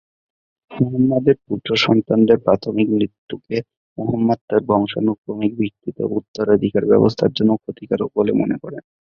মুহাম্মাদের পুত্র-সন্তানদের প্রাথমিক মৃত্যুকে মুহাম্মাদ তাঁর বংশানুক্রমিক-ভিত্তিক উত্তরাধিকার ব্যবস্থার জন্য ক্ষতিকারক বলে মনে করেন।